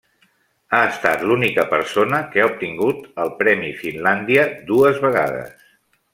Ha estat l'única persona que ha obtingut el Premi Finlàndia dues vegades.